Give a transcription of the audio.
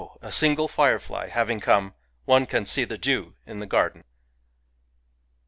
a single firefly having come, one can see the dew in the garden !